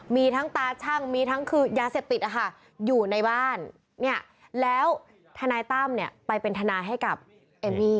มีทั้งตาชั่งมีทั้งคือยาเสพติดอยู่ในบ้านเนี่ยแล้วทนายตั้มเนี่ยไปเป็นทนายให้กับเอมมี่